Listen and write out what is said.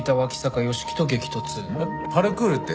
えっパルクールって